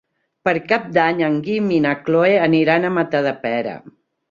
Per Cap d'Any en Guim i na Cloè aniran a Matadepera.